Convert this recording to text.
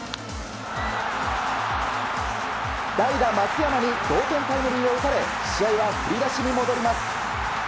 代打・松山に同点タイムリーを打たれ試合は振り出しに戻ります。